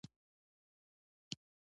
همدغه های وې په دښته او غونډیو کې غځېدلې ده.